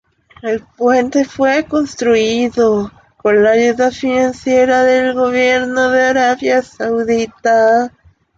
El puente fue construido con la ayuda financiera del gobierno de Arabia Saudita.